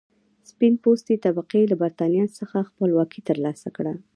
سپین پوستې طبقې له برېټانیا څخه خپلواکي تر لاسه کړه.